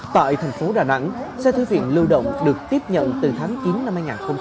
tại thành phố đà nẵng xe thư viện lưu động được tiếp nhận từ tháng chín năm hai nghìn hai mươi ba